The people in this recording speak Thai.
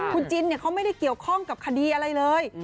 คุณจินเขาไม่ได้เกี่ยวข้องกับคดีอะไรเลย